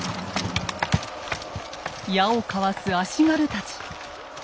矢をかわす足軽たち。